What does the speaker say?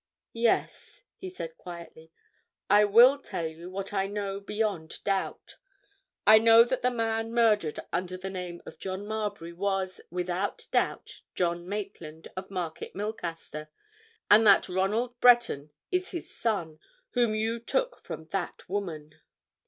"Yes," he said quietly. "I will tell you what I know beyond doubt. I know that the man murdered under the name of John Marbury was, without doubt, John Maitland, of Market Milcaster, and that Ronald Breton is his son, whom you took from that woman!"